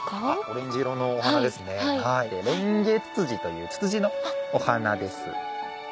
オレンジ色のお花ですね。というツツジのお花です。